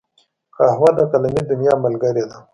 قهوه د قلمي دنیا ملګرې ده